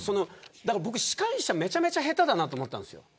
だから司会者はめちゃめちゃ下手だなと思ったんです。